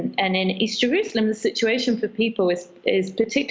dan di east jerusalem situasi bagi orang itu sangat teruk